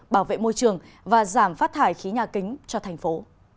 bảo vệ môi trường và giảm phát thải khí nhà kính cho thành phố